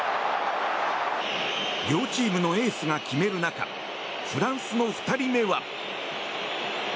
両チームのエースが決める中フランスの２人目は。